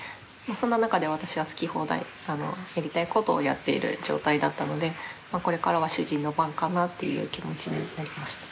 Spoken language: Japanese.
そんななかで私は好き放題やりたいことをやっている状態だったのでこれからは主人の番かなっていう気持ちになりました。